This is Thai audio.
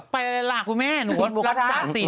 ไปหลากพี่แม่หนูรักษาสิน